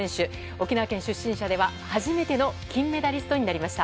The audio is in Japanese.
沖縄県出身者では初めての金メダリストになりました。